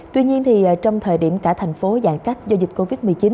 tuy nhiên trong thời điểm cả thành phố giãn cách do dịch covid một mươi chín